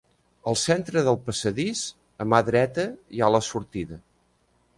Al centre del passadís, a mà dreta hi ha la sortida.